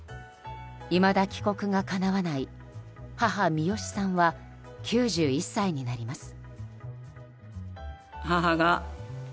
いまだ帰国がかなわない母・ミヨシさんは９１歳になります。